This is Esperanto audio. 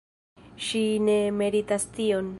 Ŝi ne meritas tion.